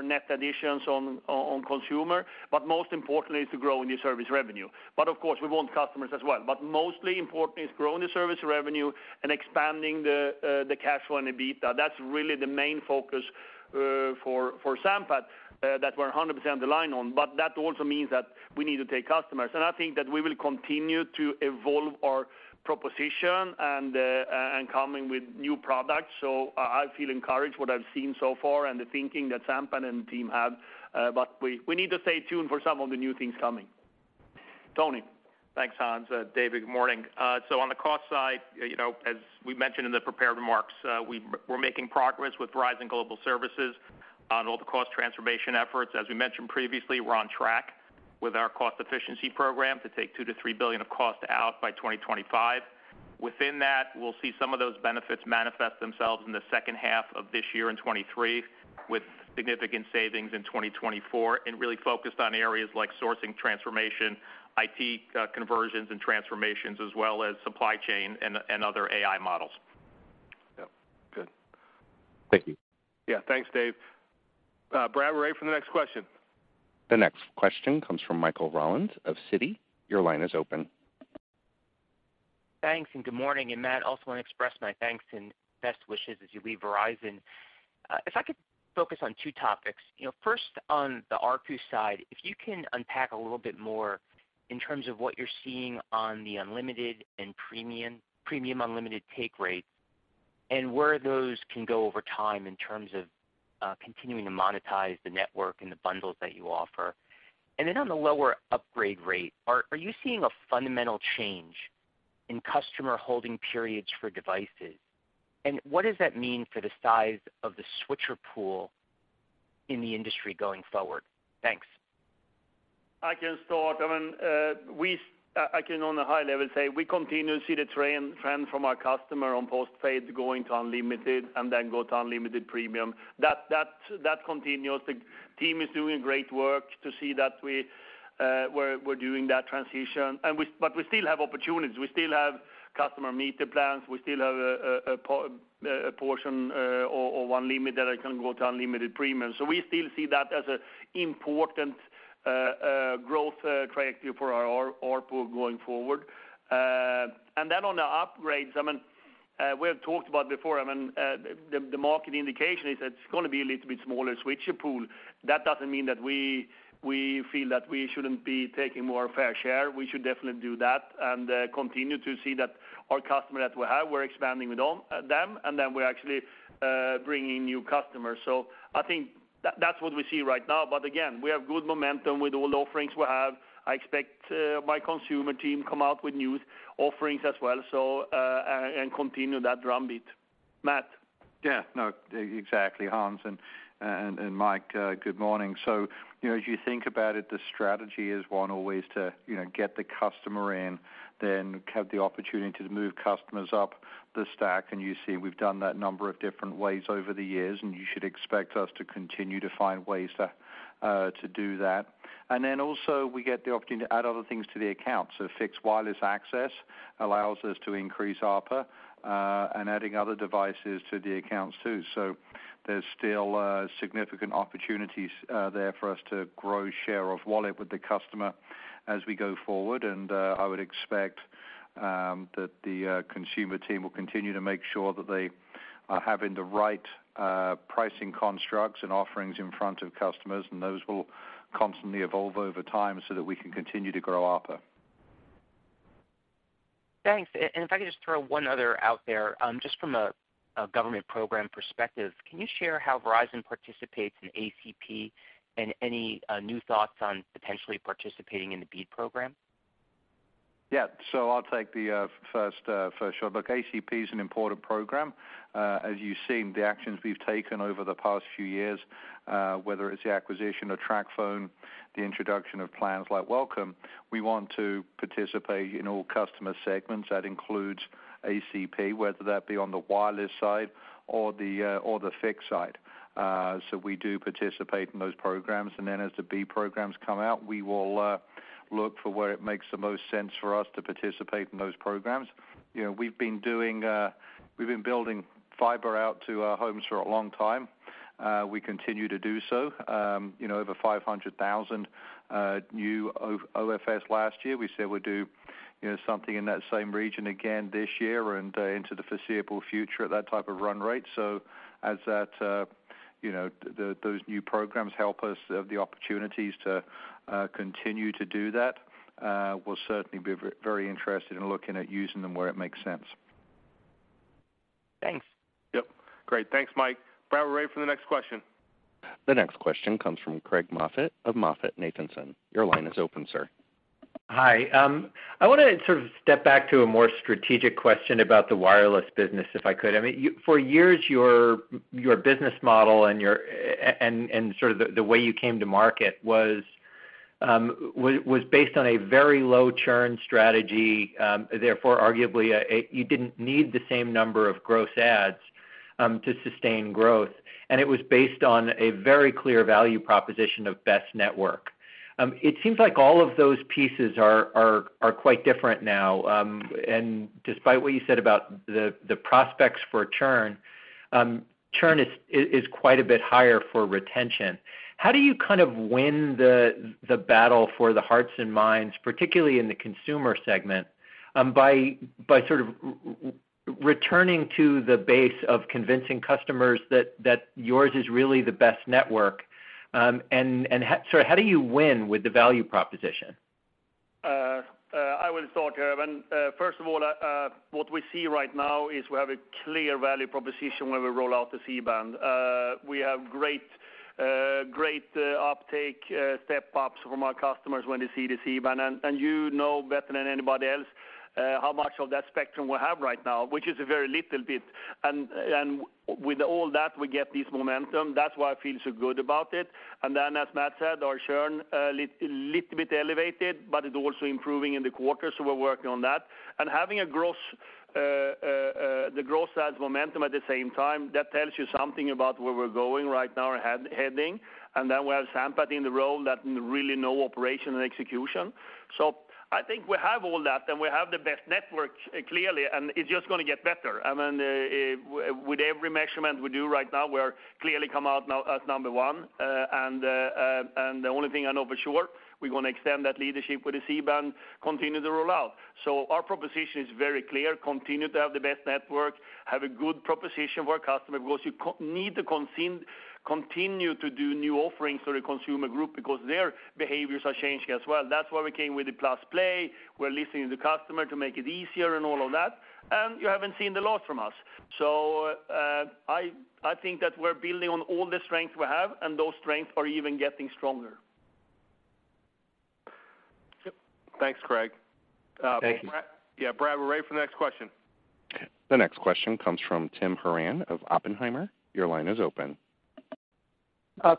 Speaker 3: net additions on consumer, but most importantly is to grow new service revenue. Of course, we want customers as well. Mostly important is growing the service revenue and expanding the cash flow and EBITDA. That's really the main focus for Sampath that we're 100% aligned on, but that also means that we need to take customers. I think that we will continue to evolve our proposition and coming with new products. I feel encouraged what I've seen so far and the thinking that Sampath and team have, but we need to stay tuned for some of the new things coming, Tony.
Speaker 4: Thanks, Hans. David, good morning. On the cost side, you know, as we mentioned in the prepared remarks, we're making progress with Verizon Global Services on all the cost transformation efforts. As we mentioned previously, we're on track with our cost efficiency program to take $2 billion-$3 billion of cost out by 2025. Within that, we'll see some of those benefits manifest themselves in the second half of this year in 2023, with significant savings in 2024, and really focused on areas like sourcing transformation, IT, conversions and transformations, as well as supply chain and other AI models. Yep. Good. Thank you. Yeah. Thanks, Dave. Brad, we're ready for the next question.
Speaker 1: The next question comes from Michael Rollins of Citi. Your line is open.
Speaker 10: Thanks. Good morning. Matt, also want to express my thanks and best wishes as you leave Verizon. If I could focus on two topics. You know, first, on the ARPU side, if you can unpack a little bit more in terms of what you're seeing on the unlimited and premium Unlimited take rates and where those can go over time in terms of continuing to monetize the network and the bundles that you offer. Then on the lower upgrade rate, are you seeing a fundamental change in customer holding periods for devices? What does that mean for the size of the switcher pool in the industry going forward? Thanks.
Speaker 3: I can start. I mean, I can on a high level say we continue to see the trend from our customer on postpaid going to unlimited and then go to Unlimited Premium. That continues. The team is doing great work to see that we're doing that transition. But we still have opportunities. We still have customer meter plans. We still have a portion or unlimited that I can go to Unlimited Plus. We still see that as an important growth trajectory for our ARPU going forward. On the upgrades, I mean, we have talked about before, I mean, the market indication is it's gonna be a little bit smaller switcher pool. That doesn't mean that we feel that we shouldn't be taking more fair share. We should definitely do that and continue to see that our customer that we have, we're expanding with all them, and then we're actually bringing new customers. I think that's what we see right now. Again, we have good momentum with all offerings we have. I expect my consumer team come out with new offerings as well, so and continue that drumbeat. Matt?
Speaker 4: Yeah. No, exactly, Hans. Mike, good morning. You know, as you think about it, the strategy is one always to, you know, get the customer in, then have the opportunity to move customers up the stack. You see we've done that a number of different ways over the years, and you should expect us to continue to find ways to do that. Also, we get the opportunity to add other things to the account. Fixed wireless access allows us to increase ARPA, and adding other devices to the accounts, too. There's still significant opportunities there for us to grow share of wallet with the customer as we go forward. I would expect that the consumer team will continue to make sure that they are having the right pricing constructs and offerings in front of customers, and those will constantly evolve over time so that we can continue to grow ARPA.
Speaker 10: Thanks. If I could just throw one other out there, just from a government program perspective, can you share how Verizon participates in ACP and any new thoughts on potentially participating in the BEAD program?
Speaker 4: Yeah. I'll take the first shot. Look, ACP is an important program. As you've seen the actions we've taken over the past few years, whether it's the acquisition of TracFone, the introduction of plans like Welcome, we want to participate in all customer segments. That includes ACP, whether that be on the wireless side or the fixed side. We do participate in those programs. As the BEAD programs come out, we will look for where it makes the most sense for us to participate in those programs. You know, we've been doing, we've been building fiber out to our homes for a long time. We continue to do so. You know, over 500,000 new OFS last year. We said we'll do, you know, something in that same region again this year and into the foreseeable future at that type of run rate. As that, you know, the, those new programs help us have the opportunities to continue to do that, we'll certainly be very interested in looking at using them where it makes sense.
Speaker 10: Thanks.
Speaker 4: Yep. Great. Thanks, Mike. Brad, we're ready for the next question.
Speaker 1: The next question comes from Craig Moffett of MoffettNathanson. Your line is open, sir.
Speaker 11: Hi. I wanna sort of step back to a more strategic question about the wireless business, if I could. I mean, for years, your business model and sort of the way you came to market was based on a very low churn strategy, therefore, arguably, you didn't need the same number of gross adds to sustain growth, and it was based on a very clear value proposition of best network. It seems like all of those pieces are quite different now. Despite what you said about the prospects for churn is quite a bit higher for retention. How do you kind of win the battle for the hearts and minds, particularly in the consumer segment, by sort of returning to the base of convincing customers that yours is really the best network? And sorry, how do you win with the value proposition?
Speaker 3: I will start here. First of all, what we see right now is we have a clear value proposition when we roll out the C-band. We have great uptake, step-ups from our customers when they see the C-band. You know better than anybody else how much of that spectrum we have right now, which is a very little bit. With all that, we get this momentum. That's why I feel so good about it. As Matt said, our churn a little bit elevated, but it's also improving in the quarter, so we're working on that. Having the growth has momentum at the same time. That tells you something about where we're going right now heading. We have Sampath in the role that really know operation and execution. I think we have all that, and we have the best network clearly, and it's just gonna get better. I mean, with every measurement we do right now, we're clearly come out now as number one. The only thing I know for sure, we're gonna extend that leadership with the C-Band, continue the rollout. Our proposition is very clear, continue to have the best network, have a good proposition for our customer because you need to continue to do new offerings for the Consumer Group because their behaviors are changing as well. That's why we came with the +play. We're listening to the customer to make it easier and all of that, and you haven't seen the lot from us. I think that we're building on all the strengths we have, and those strengths are even getting stronger.
Speaker 11: Yep. Thanks, Craig.
Speaker 3: Thank you. Yeah, Brad, we're ready for the next question.
Speaker 1: The next question comes from Tim Horan of Oppenheimer. Your line is open.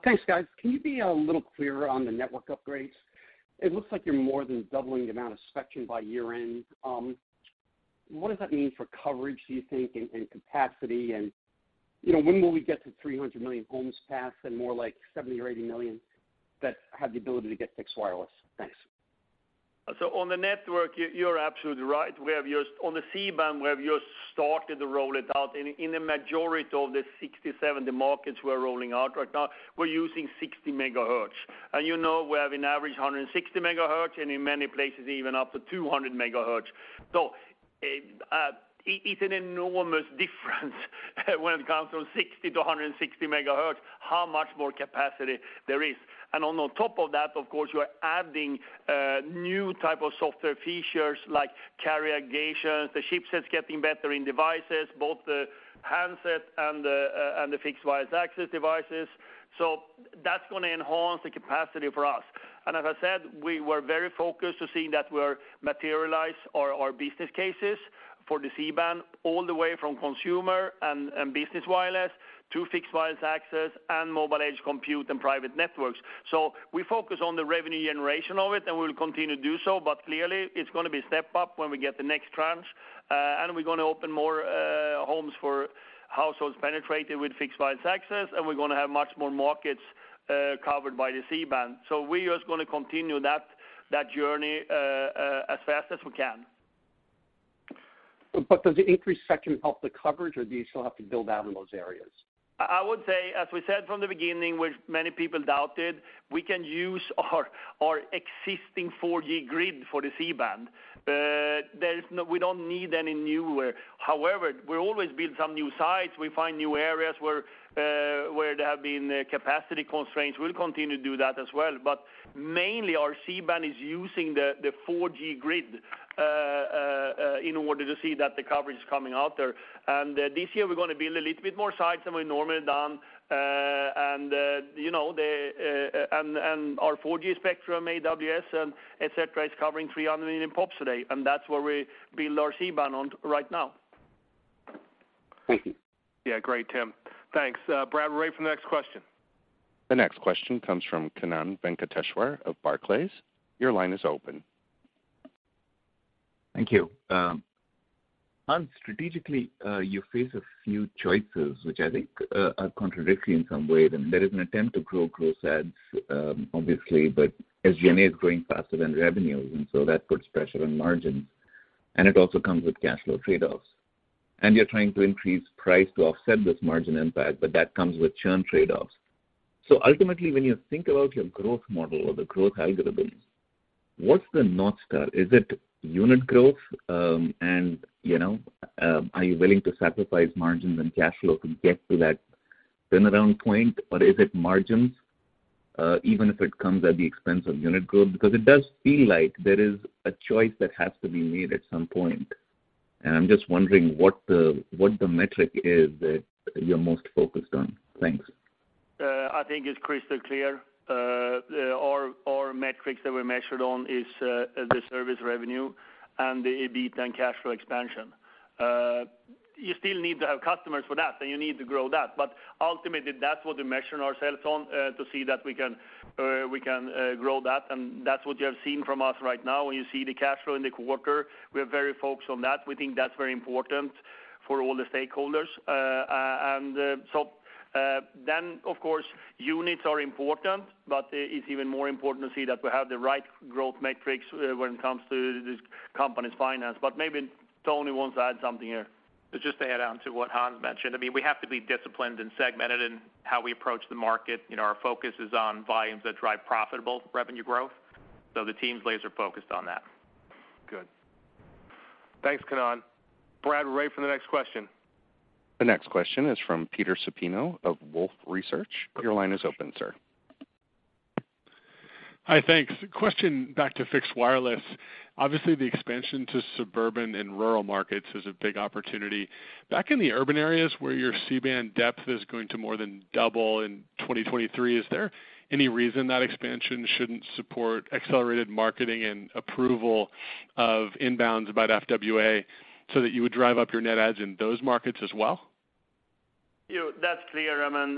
Speaker 12: Thanks, guys. Can you be a little clearer on the network upgrades? It looks like you're more than doubling the amount of spectrum by year-end. What does that mean for coverage, do you think, and capacity? You know, when will we get to 300 million homes passed and more like 70 or 80 million that have the ability to get fixed wireless? Thanks.
Speaker 3: On the network, you're absolutely right. On the C-band, we have just started to roll it out. In the majority of the 67 markets we're rolling out right now, we're using 60 megahertz. You know, we have an average 160 megahertz, and in many places, even up to 200 megahertz. It's an enormous difference when it comes from 60 to 160 megahertz, how much more capacity there is. On the top of that, of course, you are adding new type of software features like carrier aggregation. The chip set's getting better in devices, both the handset and the fixed wireless access devices. That's gonna enhance the capacity for us. As I said, we were very focused to seeing that we're materialize our business cases for the C-band all the way from consumer and business wireless to fixed wireless access and mobile edge compute and private networks. We focus on the revenue generation of it, and we'll continue to do so. Clearly, it's gonna be a step up when we get the next tranche, and we're gonna open more homes for households penetrated with fixed wireless access, and we're gonna have much more markets covered by the C-band. We're just gonna continue that journey as fast as we can.
Speaker 12: Does the increased spectrum help the coverage, or do you still have to build out in those areas?
Speaker 3: I would say, as we said from the beginning, which many people doubted, we can use our existing 4G grid for the C-Band. We don't need any new. However, we always build some new sites. We find new areas where there have been capacity constraints. We'll continue to do that as well. Mainly our C-Band is using the 4G grid, in order to see that the coverage is coming out there. This year, we're gonna build a little bit more sites than we normally done. You know, the, and our 4G spectrum, AWS and et cetera, is covering 300 million POPs today, and that's where we build our C-Band on right now.
Speaker 12: Thank you.
Speaker 4: Yeah, great, Tim. Thanks. Brad, we're ready for the next question.
Speaker 1: The next question comes from Kannan Venkateshwar of Barclays. Your line is open.
Speaker 13: Thank you. Hans, strategically, you face a few choices, which I think are contradictory in some way. There is an attempt to grow gross adds, obviously, but SG&A is growing faster than revenues. That puts pressure on margins, and it also comes with cash flow trade-offs. You're trying to increase price to offset this margin impact, but that comes with churn trade-offs. Ultimately, when you think about your growth model or the growth algorithms, what's the north star? Is it unit growth? You know, are you willing to sacrifice margins and cash flow to get to that turnaround point? Or is it margins, even if it comes at the expense of unit growth? It does feel like there is a choice that has to be made at some point, and I'm just wondering what the, what the metric is that you're most focused on. Thanks.
Speaker 3: I think it's crystal clear. Our metrics that we're measured on is the service revenue and the EBIT and cash flow expansion. You still need to have customers for that, you need to grow that. Ultimately, that's what we measure ourselves on, to see that we can grow that. That's what you have seen from us right now when you see the cash flow in the quarter. We're very focused on that. We think that's very important for all the stakeholders. Of course, units are important, but it's even more important to see that we have the right growth metrics when it comes to this company's finance. Maybe Tony wants to add something here.
Speaker 7: Just to add on to what Hans mentioned, I mean, we have to be disciplined and segmented in how we approach the market. You know, our focus is on volumes that drive profitable revenue growth. The team's laser-focused on that.
Speaker 13: Good.
Speaker 4: Thanks, Kannan. Brad, we're ready for the next question.
Speaker 1: The next question is from Peter Supino of Wolfe Research. Your line is open, sir.
Speaker 14: Hi, thanks. Question back to fixed wireless. Obviously, the expansion to suburban and rural markets is a big opportunity. Back in the urban areas where your C-Band depth is going to more than double in 2023, is there any reason that expansion shouldn't support accelerated marketing and approval of inbounds about FWA so that you would drive up your net adds in those markets as well?
Speaker 3: You know, that's clear, Aman.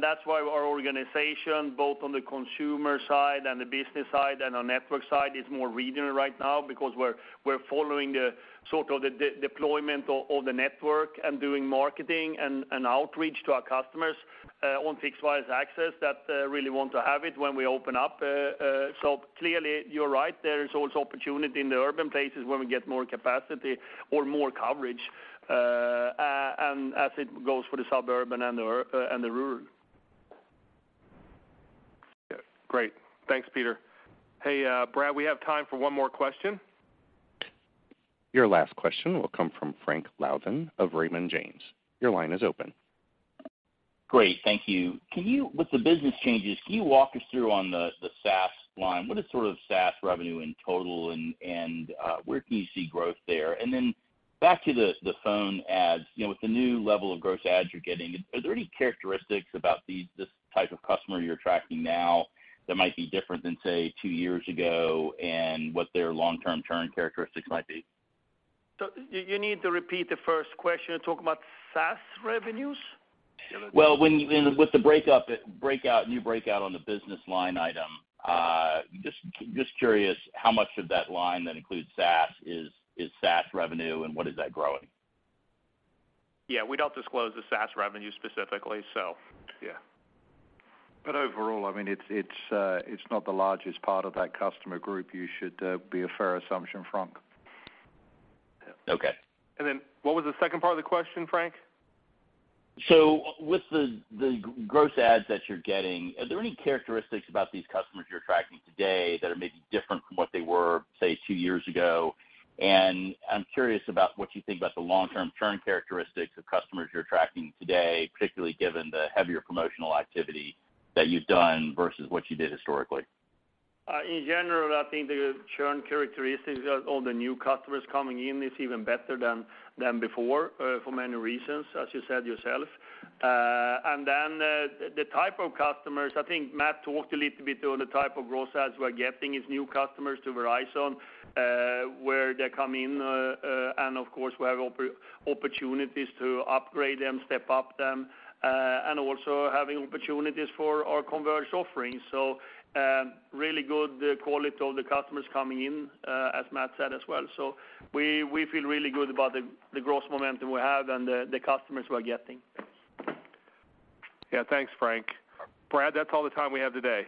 Speaker 3: That's why our organization, both on the consumer side and the business side and our network side is more regional right now because we're following the sort of the de-deployment of the network and doing marketing and outreach to our customers on Fixed Wireless Access that really want to have it when we open up. Clearly you're right. There is also opportunity in the urban places where we get more capacity or more coverage and as it goes for the suburban and the rural.
Speaker 4: Yeah. Great. Thanks, Peter. Hey, Brad, we have time for one more question.
Speaker 1: Your last question will come from Frank Louthan of Raymond James. Your line is open.
Speaker 15: Great. Thank you. With the business changes, can you walk us through on the SaaS line? What is sort of SaaS revenue in total and where can you see growth there? Back to the phone ads. You know, with the new level of gross ads you're getting, are there any characteristics about these, this type of customer you're attracting now that might be different than, say, two years ago and what their long-term churn characteristics might be?
Speaker 3: You need to repeat the first question. You talk about SaaS revenues?
Speaker 15: Well, when you with the breakup, breakout, new breakout on the business line item, just curious how much of that line that includes SaaS is SaaS revenue and what is that growing?
Speaker 4: Yeah, we don't disclose the SaaS revenue specifically, so yeah. Overall, I mean, it's not the largest part of that customer group, you should be a fair assumption, Frank.
Speaker 15: Okay.
Speaker 4: What was the second part of the question, Frank?
Speaker 15: With the gross adds that you're getting, are there any characteristics about these customers you're attracting today that are maybe different from what they were, say, 2 years ago? I'm curious about what you think about the long-term churn characteristics of customers you're attracting today, particularly given the heavier promotional activity that you've done versus what you did historically.
Speaker 3: In general, I think the churn characteristics of the new customers coming in is even better than before, for many reasons, as you said yourself. Then, the type of customers, I think Matt talked a little bit on the type of growth ads we're getting is new customers to Verizon, where they come in, and of course we have opportunities to upgrade them, step up them, and also having opportunities for our converged offerings. Really good quality of the customers coming in, as Matt said as well. We feel really good about the growth momentum we have and the customers we're getting.
Speaker 4: Yeah. Thanks, Frank. Brad, that's all the time we have today.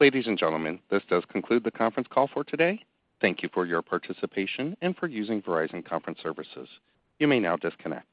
Speaker 1: Ladies and gentlemen, this does conclude the conference call for today. Thank you for your participation and for using Verizon Conference Services. You may now disconnect.